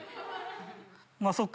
まっそっか。